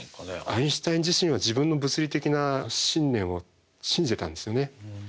アインシュタイン自身は自分の物理的な信念を信じてたんですよね。